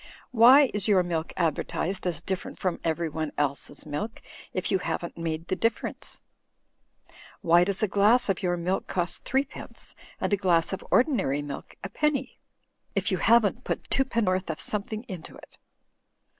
Why is your milk advertised as different from everyone else's milk, if you haven't made the difference ? Why does a glass of your milk cost threepence, and a glass of ordinary milk, a penny, if you haven't put twopennorth of something into it